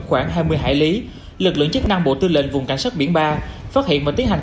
khoảng hai mươi hải lý lực lượng chức năng bộ tư lệnh vùng cảnh sát biển ba phát hiện và tiến hành